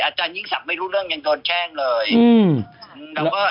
อาจารยิ่งศักดิ์ไม่รู้เรื่องยังโดนแช่งเลย